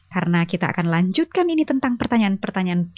karena kita akan lanjutkan ini tentang pertanyaan pertanyaan ini